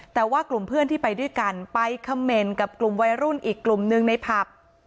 แต่ว่ากลุ่มเพื่อนที่ไปด้วยกันไปคำเมนต์กับกลุ่มวัยรุ่นอีกกลุ่มหนึ่งในผับ